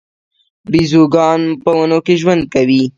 بیزوګان په ونو کې ژوند کوي